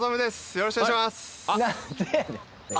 よろしくお願いします